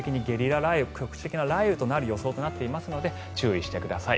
局地的な雷雨となる予想となっていますので注意してください。